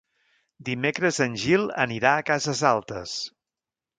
Dimecres en Gil anirà a Cases Altes.